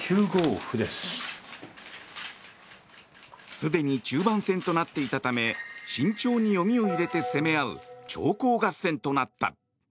すでに中盤戦となっていたため慎重に読みを入れて攻め合う長考合戦となった。